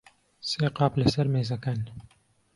سێ قاپ لەسەر مێزەکەن.